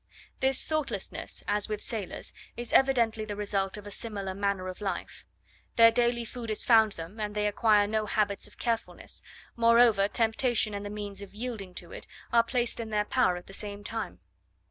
This thoughtlessness, as with sailors, is evidently the result of a similar manner of life. Their daily food is found them, and they acquire no habits of carefulness: moreover, temptation and the means of yielding to it are placed in their power at the same time.